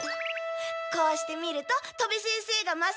こうして見ると戸部先生がまっすぐに見えて。